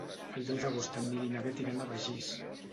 El deu d'agost en Nil i na Bet iran a Begís.